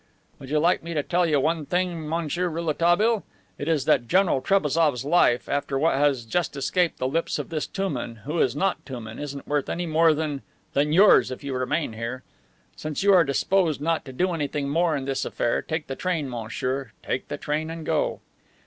"Would you like me to tell you one thing, Monsieur Rouletabille? It is that General Trebassof's life, after what has just escaped the lips of this Touman, who is not Touman, isn't worth any more than than yours if you remain here. Since you are disposed not to do anything more in this affair, take the train, monsieur, take the train, and go."